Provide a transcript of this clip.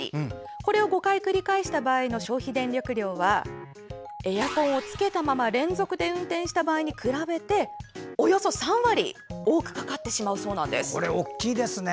これを５回繰り返した場合の消費電力量はエアコンをつけたまま連続で運転した場合に比べておよそ３割、多くかかってしまうそうなんです。